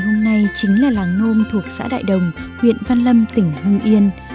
chương trình ngày hôm nay chính là làng nôm thuộc xã đại đồng huyện văn lâm tỉnh hưng yên